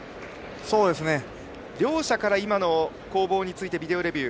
両者から今の攻防についてビデオレビュー。